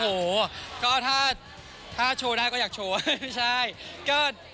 โอ้โหก็ถ้าโชว์ได้ก็อยากโชว์ใช่